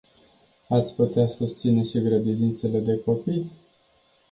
Ați putea susține și grădinițele de copii?